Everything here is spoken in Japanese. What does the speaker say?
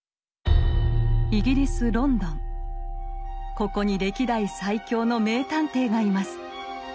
ここに歴代最強の名探偵がいます。